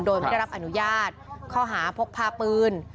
โดยไม่ได้รับอนุญาตข้อหาพกพาปืน